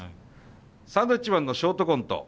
サンドウィッチマンのショートコント。